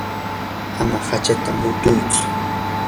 ama hachata mutuychu.